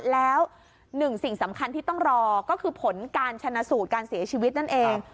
แล้วหนึ่งสิ่งสำคัญที่ต้องรอก็คือผลการชนะสูตรการเสียชีวิตนั่นเอง